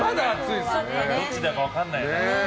どっちだか分かんないよね。